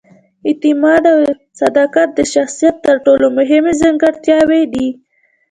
اعتماد او صداقت د شخصیت تر ټولو مهمې ځانګړتیاوې دي.